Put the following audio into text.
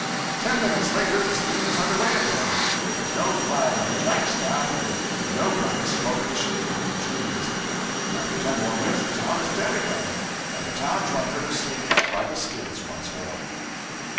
Ten minutes later the steamer is under way again, with no flag on the jack staff and no black smoke issuing from the chimneys. After ten more minutes the town is dead again, and the town drunkard asleep by the skids once more.